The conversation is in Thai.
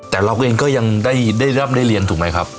แต่เราเองก็ยังได้รับได้เรียนถูกไหมครับ